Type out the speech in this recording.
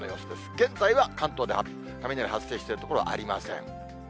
現在は関東では雷発生している所はありません。